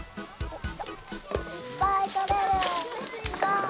いっぱい取れる。